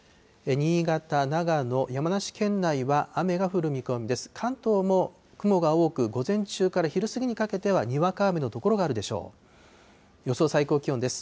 新潟、長野、山梨県内は雨が降る見込みです。